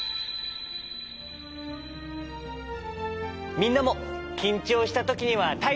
みんなもきんちょうしたときにはたいそうしてみて！